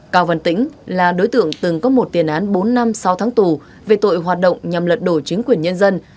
cao văn tĩnh là đối tượng từng có một tiền án bốn năm sau tháng tù về tội hoạt động nhằm lật đổ chính quyền nhân dân